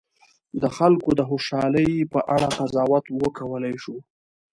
د خلکو د خوشالي په اړه قضاوت وکولای شو.